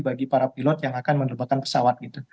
bagi para pilot yang akan menerbangkan pesawat gitu